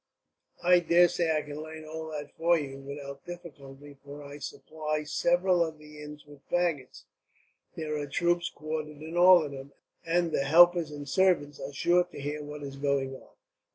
"I daresay I can learn all that for you, without difficulty; for I supply several of the inns with faggots. There are troops quartered in all of them, and the helpers and servants are sure to hear what is going on.